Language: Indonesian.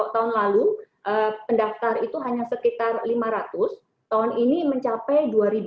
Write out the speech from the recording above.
tahun lalu pendaftar itu hanya sekitar lima ratus tahun ini mencapai dua ratus